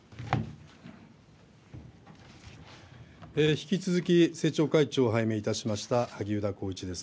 引き続き政調会長を拝命いたしました、萩生田光一です。